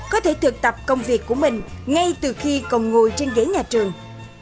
có thể thực tập công việc của mình ngay từ khi còn ngồi trên ghế nhà trường